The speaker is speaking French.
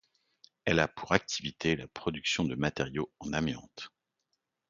Elle a pour activité la production de matériaux en amiante.